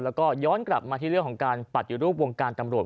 แล้วก็ย้อนกลับมาที่เรื่องของการปฏิรูปวงการตำรวจ